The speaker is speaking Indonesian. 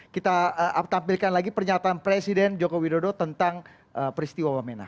kita tampilkan lagi pernyataan presiden joko widodo tentang peristiwa wamena